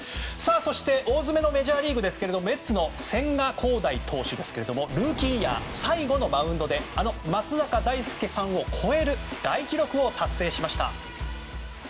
そして大詰めのメジャーリーグですがメッツの千賀滉大投手がルーキーイヤー最後のマウンドで松坂大輔さんを超える大記録を達成しました。